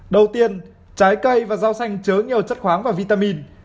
đầu tiên trái cây và rau xanh chứa nhiều chất khoáng và vitamin